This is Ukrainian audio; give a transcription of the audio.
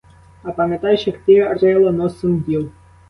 А пам'ятаєш, як ти рила носом діл!